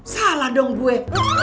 salah dong gue